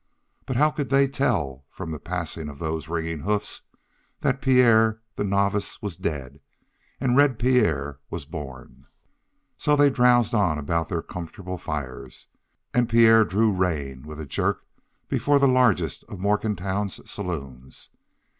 But how could they tell from the passing of those ringing hoofs that Pierre, the novice, was dead, and Red Pierre was born? So they drowsed on about their comfortable fires, and Pierre drew rein with a jerk before the largest of Morgantown's saloons.